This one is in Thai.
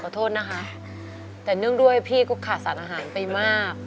แต่เนื่องด้วยพี่ก็ขาดสารอาหารไปมาก